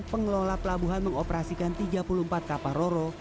pengelola pelabuhan mengoperasikan tiga puluh empat kapal roro